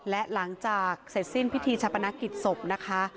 และหลังจากเสร็จสิ้นพิธีชาปนกิจศพนะคะ